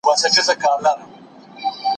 ديارلس ديارلسم عدد دئ.